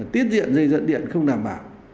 tiết diện dây dẫn điện không đảm bảo